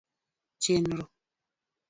Chenro: